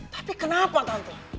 tapi kenapa tante